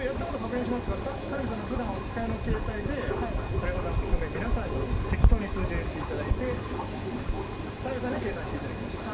田辺さんがふだんお使いの携帯で有岡さん含め、皆さんに適当に数字を言っていただいて田辺さんに計算していただきました。